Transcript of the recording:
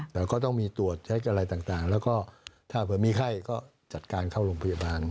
แต่ก็ต้องมีตรวจใช้อะไรต่างแล้วก็ถ้าเผื่อมีไข้ก็จัดการเข้าโรงพยาบาล